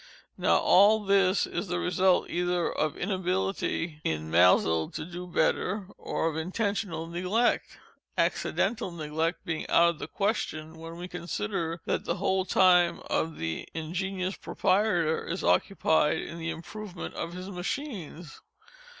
Now, all this is the result either of inability in Maelzel to do better, or of intentional neglect—accidental neglect being out of the question, when we consider that the whole time of the ingenious proprietor is occupied in the improvement of his machines.